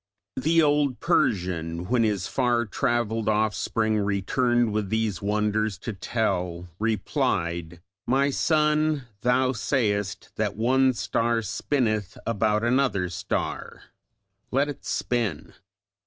The old Persian, when his far travelled offspring returned with these wonders to tell, replied: "My son, thou sayest that one star spinneth about another star; let it spin!"